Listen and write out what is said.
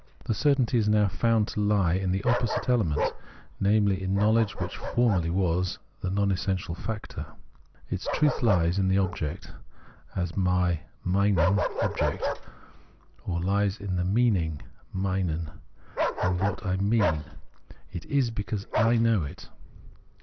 The certainty is now found to lie in the opposite element, namely in knowledge, which formerly was the non essential factor. Its truth lies in the object as my (meinem) object, or lies in the " meaning " (meinen), in what I " mean "; it is, because I know it.